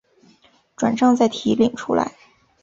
转帐再提领出来